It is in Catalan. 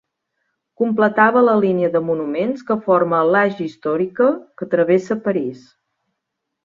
Completava la línia de monuments que forma l'"Ax historique" que travessa París.